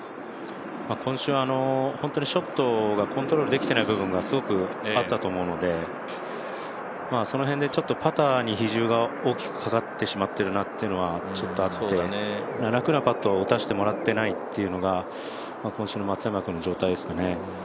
今週はショットをコントロールできていない部分がすごくあったと思うのでその辺でパターに比重が大きくかかってしまっているなというのがあって、楽なパットを打たせてもらっていないというのが今週の松山君の状態ですかね。